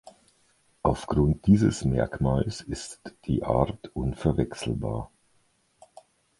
Aufgrund dieses Merkmals ist die Art unverwechselbar.